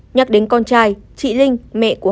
nhắc đến con trai chị linh mẹ con trai